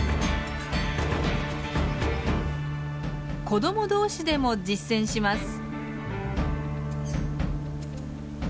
子ども同士でも実践します。